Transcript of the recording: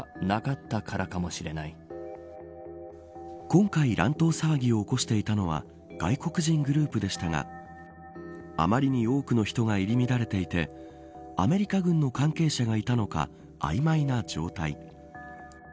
今回乱闘騒ぎを起こしていたのは外国人グループでしたが余りに多くの人が入り乱れていてアメリカ軍の関係者がいたのか曖昧な状態。